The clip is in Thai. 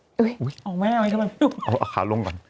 อุ๊ยออกไหมเอาให้กันบ้างเอาขาลงก่อน